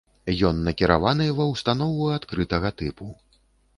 Ён накіраваны ва ўстанову адкрытага тыпу.